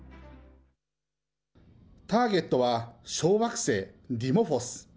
ターゲットは、小惑星ディモフォス。